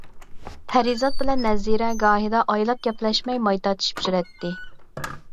پەرىزات بىلەن نەزىرە گاھىدا ئايلاپ گەپلەشمەي ماي تارتىشىپ يۈرەتتى.